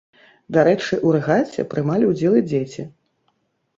Дарэчы, у рэгаце прымалі ўдзел і дзеці.